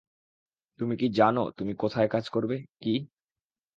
তুমি কি জানো তুমি কোথায় কাজ করবে, কি--?